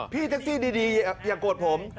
พี่แท็กซี่ดีอย่าโกรธผม